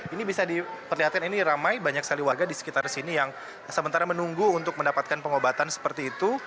ini bisa diperlihatkan ini ramai banyak sekali warga di sekitar sini yang sementara menunggu untuk mendapatkan pengobatan seperti itu